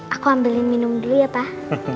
aku ambilin minum dulu ya tah